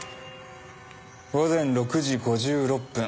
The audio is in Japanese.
午前６時５６分。